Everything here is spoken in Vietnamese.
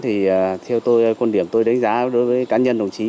thì theo tôi quan điểm tôi đánh giá đối với cá nhân đồng chí